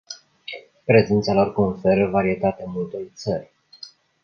Prezența lor conferă varietate multor țări.